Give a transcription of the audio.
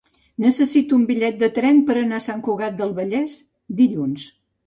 Necessito un bitllet de tren per anar a Sant Cugat del Vallès dilluns.